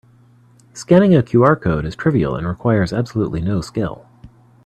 Scanning a QR code is trivial and requires absolutely no skill.